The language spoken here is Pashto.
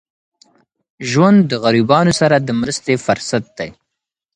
ژوند د غریبانو سره د مرستې فرصت دی.